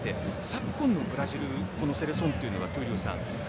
昨今のブラジルこのセレソンというのは闘莉王さん